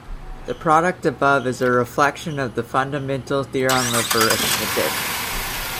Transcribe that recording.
The product above is a reflection of the fundamental theorem of arithmetic.